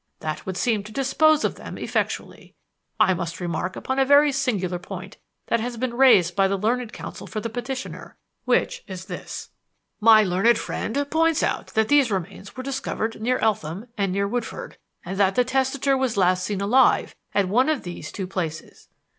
That would seem to dispose of them effectually. I must remark upon a very singular point that has been raised by the learned counsel for the petitioner, which is this: "My learned friend points out that these remains were discovered near Eltham and near Woodford and that the testator was last seen alive at one of these two places.